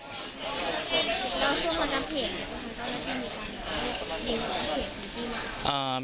แล้วช่วงกำลังเหตุจะทำยังไงกับเจ้าทางหลังบ้าน